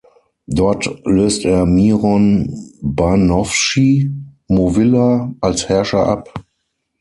Dort löst er Miron Barnovschi-Movila als Herrscher ab.